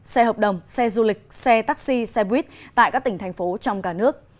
xe hợp đồng xe du lịch xe taxi xe buýt tại các tỉnh thành phố trong cả nước